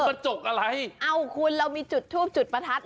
กระจกอะไรเอ้าคุณเรามีจุดทูบจุดประทัด